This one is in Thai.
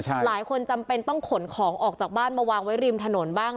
หลายคนจำเป็นต้องขนของออกจากบ้านมาวางไว้ริมถนนบ้าง